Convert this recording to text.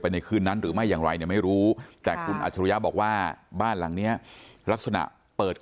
ไปในคืนนั้นหรือไม่อย่างไรไม่รู้แต่บ้านหลังนี้ลักษณะเปิด